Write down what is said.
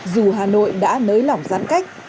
dù hà nội đã nới lỏng giãn cách